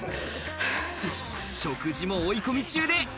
食事も追い込み中で。